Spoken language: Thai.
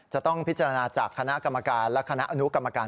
จะต้องพิจารณาจากคณะกรรมการและคณะอนุกรรมการ